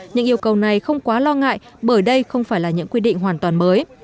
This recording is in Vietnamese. những yêu cầu này không quá lo ngại bởi đây không phải là những quy định hoàn toàn mới